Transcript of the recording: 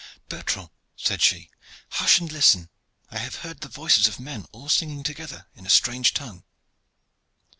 "Bertrand," said she, "hush and listen! I have heard the voices of men all singing together in a strange tongue."